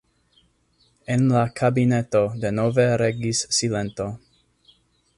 En la kabineto denove regis silento.